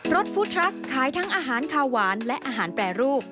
สฟู้ดทรัคขายทั้งอาหารขาวหวานและอาหารแปรรูป